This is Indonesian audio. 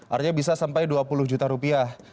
artinya bisa sampai dua puluh juta rupiah